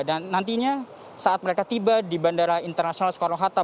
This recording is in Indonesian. dan nantinya saat mereka tiba di bandara internasional soekarno hatta